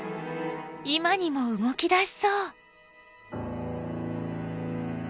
今にも動き出しそう。